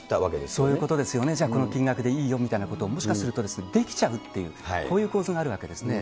そういうことですよね、じゃあ、この金額でいいよみたいなことを、もしかするとできちゃうっていう、こういう構図があるわけですね。